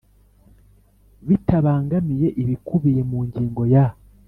Bitabangamiye ibikubiye mu ngingo ya